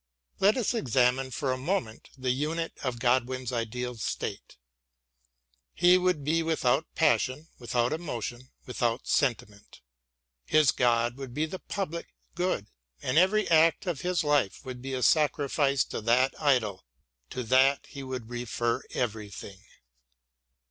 Let us examine for a moment the unit of Godwin's ideal state. He would be without passion, without emotion, without sentiment. His God would be the public good, and every act of his life would be a sacrifice to that idol. To that he wou, ld refer everything.